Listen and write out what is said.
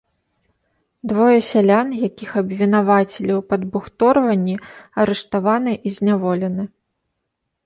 Двое сялян, якіх абвінавацілі ў падбухторванні, арыштаваны і зняволены.